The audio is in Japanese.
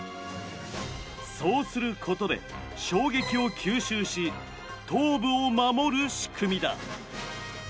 そうすることで衝撃を吸収し頭部を守る仕組みだ。